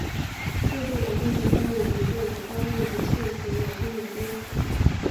墓地的正前方有一座以花岗岩砌成的纪念碑。